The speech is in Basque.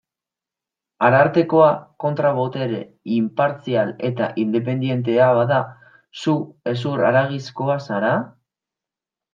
Arartekoa kontra-botere inpartzial eta independentea bada, zu hezur-haragizkoa zara?